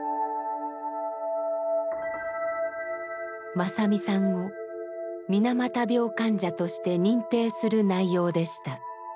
正実さんを水俣病患者として認定する内容でした。